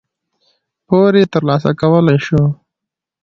پور یې ترلاسه کولای شو.